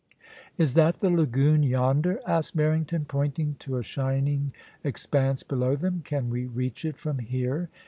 * Is that the lagoon yonder ?* asked Barrington, pointing to a shining expanse below them. ' Can we reach it from here?'